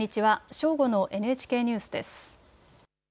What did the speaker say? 正午のＮＨＫニュースです。